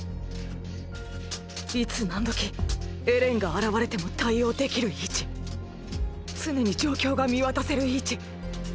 いつ何時エレンが現れても対応できる位置常に状況が見渡せる位置。